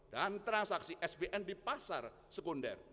dan transaksi sbn di pasar sekunder